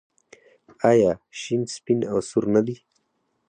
آیا شین سپین او سور نه دي؟